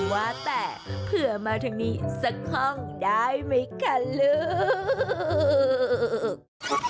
ว่าแต่เผื่อมาทางนี้สักห้องได้ไหมคะลูก